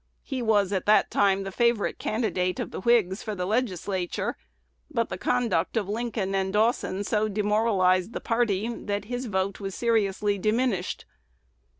He was at that time the favorite candidate of the Whigs for the Legislature; but the conduct of Lincoln and Dawson so demoralized the party, that his vote was seriously diminished.